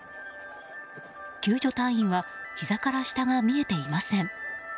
救助隊員はひざから下が見えていません。